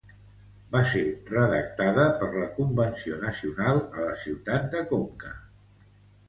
Va ser redactada per la Convenció Nacional a la ciutat de Conca.